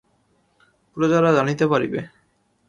প্রজারা জানিতে পারিবে!